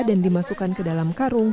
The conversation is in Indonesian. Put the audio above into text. dan dimasukkan ke dalam karung